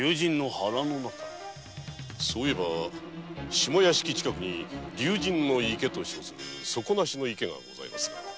そういえば下屋敷近くに竜神の池と称する底なしの池がございますが。